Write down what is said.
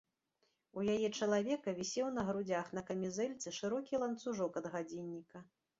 У яе чалавека вісеў на грудзях на камізэльцы шырокі ланцужок ад гадзінніка.